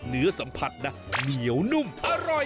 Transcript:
เนื้อสัมผัสนะเหนียวนุ่มอร่อย